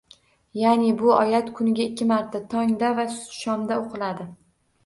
Ya’ni bu oyat kuniga ikki marta – tongda va shomda o‘qiladi.